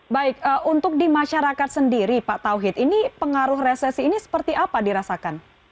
baik untuk di masyarakat sendiri pak tauhid ini pengaruh resesi ini seperti apa dirasakan